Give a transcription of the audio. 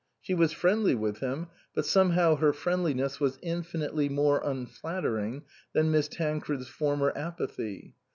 She was friendly with him, but some how her friendliness was infinitely more unflat tering than Miss Tancred's former apathy.